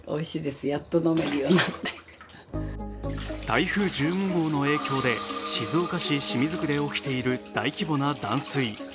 台風１５号の影響で静岡市清水区で起きている大規模な断水。